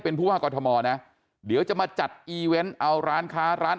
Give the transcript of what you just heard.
เป็นผู้ว่ากอทมนะเดี๋ยวจะมาจัดอีเวนต์เอาร้านค้าร้าน